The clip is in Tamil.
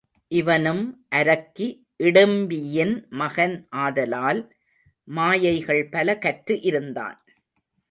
இவனும் அரக்கி இடிம்பியின் மகன் ஆதலால் மாயைகள் பல கற்று இருந்தான்.